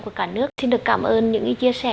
của cả nước xin được cảm ơn những chia sẻ